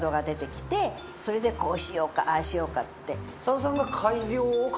それでこうしようかああしようかって。